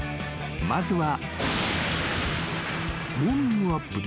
［まずは］